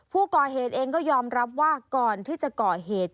ผู้ก่อเหตุเองก็ยอมรับว่าก่อนที่จะก่อเหตุ